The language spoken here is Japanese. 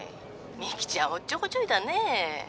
ミキちゃんおっちょこちょいだね。